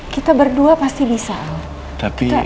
kita berdua pasti bisa